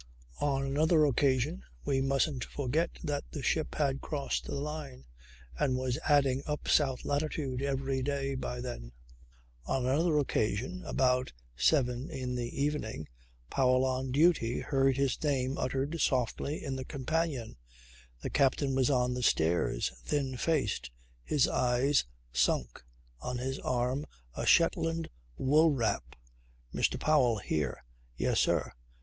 On another occasion ... we mustn't forget that the ship had crossed the line and was adding up south latitude every day by then ... on another occasion, about seven in the evening, Powell on duty, heard his name uttered softly in the companion. The captain was on the stairs, thin faced, his eyes sunk, on his arm a Shetland wool wrap. "Mr. Powell here." "Yes, sir."